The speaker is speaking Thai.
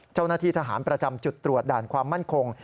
เจ้าหน้าที่ทหารประจำจุดตรวจด่านความมั่นคง